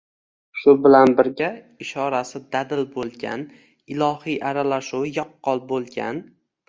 shu bilan birga ishorasi dadil bo‘lgan, ilohiy aralashuvi yaqqol bo‘lgan